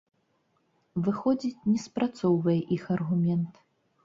Выходзіць, не спрацоўвае іх аргумент!